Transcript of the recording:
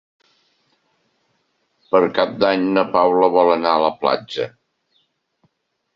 Per Cap d'Any na Paula vol anar a la platja.